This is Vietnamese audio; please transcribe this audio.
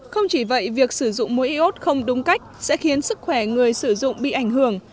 không chỉ vậy việc sử dụng muối y ốt không đúng cách sẽ khiến sức khỏe người sử dụng bị ảnh hưởng